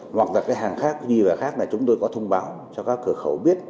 hoặc là cái hàng khác như vậy khác là chúng tôi có thông báo cho các khởi khẩu biết